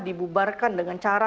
dibubarkan dengan cara